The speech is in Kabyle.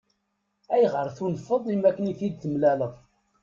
Ayɣer i tunfeḍ makken i t-id-temlaleḍ?